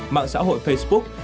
mạng xã hội facebook